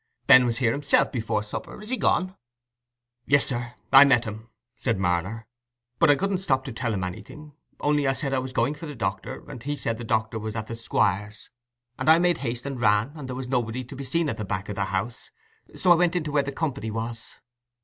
Ben was here himself before supper; is he gone?" "Yes, sir, I met him," said Marner; "but I couldn't stop to tell him anything, only I said I was going for the doctor, and he said the doctor was at the Squire's. And I made haste and ran, and there was nobody to be seen at the back o' the house, and so I went in to where the company was."